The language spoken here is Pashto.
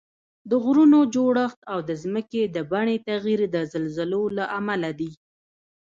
د غرونو جوړښت او د ځمکې د بڼې تغییر د زلزلو له امله دي